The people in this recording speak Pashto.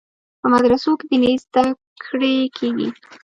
په مدرسو کې دیني زده کړې کیږي.